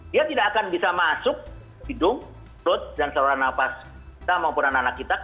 dia tidak akan bisa masuk hidung perut dan saluran nafas kita maupun anak anak kita